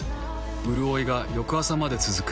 うるおいが翌朝まで続く。